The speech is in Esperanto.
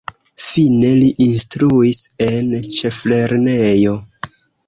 Fine li instruis en ĉeflernejo.